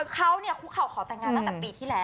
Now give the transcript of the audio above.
เขาคุกเข่าขอแต่งงานตั้งแต่ปีที่แล้ว